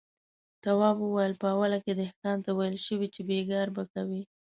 تواب وويل: په اوله کې دهقان ته ويل شوي چې بېګار به کوي.